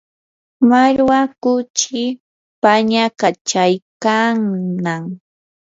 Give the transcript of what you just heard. mallwa kuchii pañakachaykannam